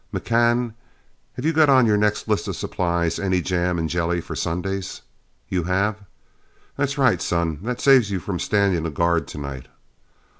McCann, have you got on your next list of supplies any jam and jelly for Sundays? You have? That's right, son that saves you from standing a guard tonight.